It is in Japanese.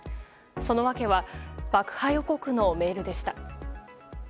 その訳は爆破予告のメールでした。